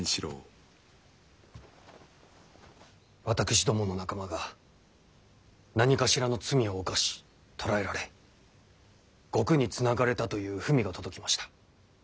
私どもの仲間が何かしらの罪を犯し捕らえられ獄につながれたという文が届きました。